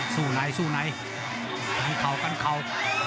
สู้ไหนสู้ไหนกันเข่ากันเข่า